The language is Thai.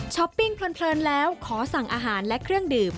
ปิ้งเพลินแล้วขอสั่งอาหารและเครื่องดื่ม